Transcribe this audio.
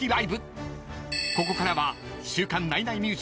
［ここからは］